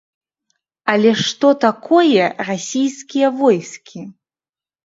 Але што такое расійскія войскі?